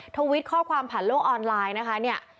ทวิตข้อความผ่านโลกออนไลน์นะคะเนี่ย